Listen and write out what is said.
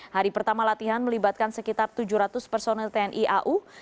hari pertama latihan melibatkan sekitar tujuh ratus personel tni au